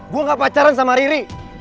gue gak pacaran sama riri